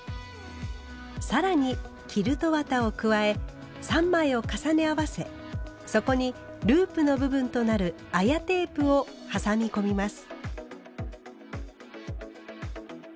更にキルト綿を加え３枚を重ね合わせそこにループの部分となる綾テープを挟み込みます。